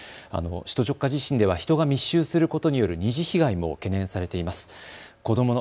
あの首都直下地震では人が密集することによる二次被害も懸念されています。